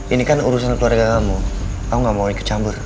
ini kan urusan keluarga kamu kamu gak mau ikut campur